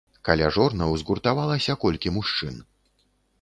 Каля жорнаў згуртавалася колькі мужчын.